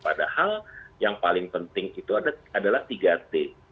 padahal yang paling penting itu adalah tiga t